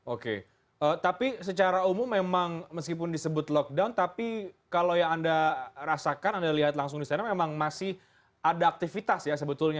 oke tapi secara umum memang meskipun disebut lockdown tapi kalau yang anda rasakan anda lihat langsung di sana memang masih ada aktivitas ya sebetulnya